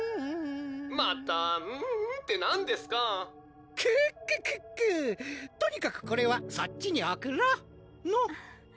「またうんってなんクッククックとにかくこれはそっちに送ろうの？